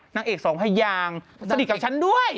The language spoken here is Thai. นางเอกสองพยางสนิทกับฉันด้วย